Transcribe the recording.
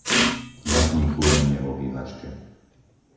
Zapni kúrenie v obývačke.